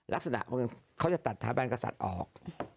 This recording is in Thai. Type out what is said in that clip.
ลักษณะเขาจะตัดถาบันกษัตริย์ออก